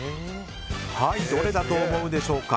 どれだと思うでしょうか。